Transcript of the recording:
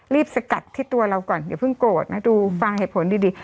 สกัดที่ตัวเราก่อนอย่าเพิ่งโกรธนะดูฟังเหตุผลดี